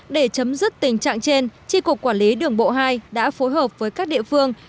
để chấm dứt tình trạng trên tri cục quản lý đường bộ hai đã phối hợp với các địa phương